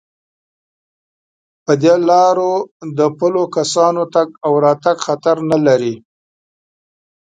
په دې لارو د پلو کسانو تگ او راتگ خطر نه لري.